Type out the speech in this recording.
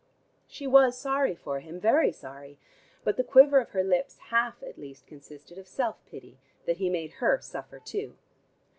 She was sorry for him, very sorry, but the quiver of her lips half at least consisted of self pity that he made her suffer too.